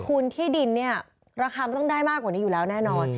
คุณที่ดินเนี่ยราคามันต้องได้มากกว่านี้อยู่แล้วแน่นอน